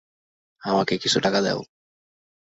আমাকে কিছু টাকা দাও।